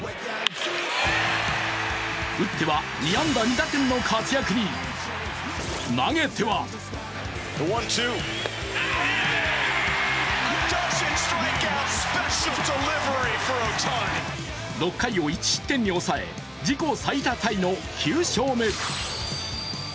打っては２安打２打点の活躍に投げては６回を１失点に抑え、自己最多タイの９勝目。